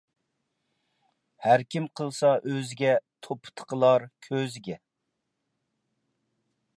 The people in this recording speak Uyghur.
ھەركىم قىلسا ئۆزىگە، توپا تىقىلار كۆزىگە.